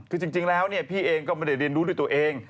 คือจริงแล้วพี่เองก็ไม่ได้เรียนรู้ด้วยตัวเอง